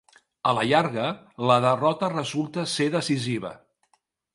A la llarga, la derrota resulta ser decisiva.